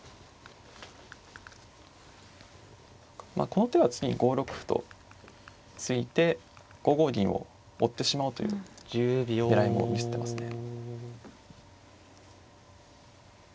この手は次に５六歩と突いて５五銀を追ってしまおうという狙いも見せてますね。